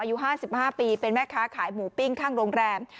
อายุ๕๕ปีเป็นแม่ค้าขายหมูปิ้งข้างโรงแรม